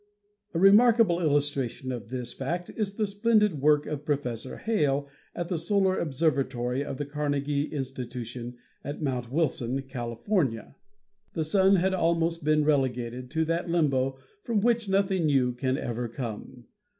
A remarkable illustration of this fact is the splendid work of Professor Hale at the Solar Observatory of the Carnegie Institution at Mount Wilson, California. The Sun had almost been relegated to that limbo from which nothing new can ever come.